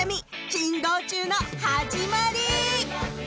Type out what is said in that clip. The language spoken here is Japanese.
珍道中の始まり